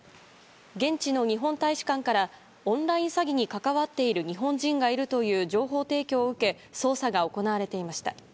現地の日本大使館からオンライン詐欺に関わっている日本人がいるという情報提供を受け捜査が行われていました。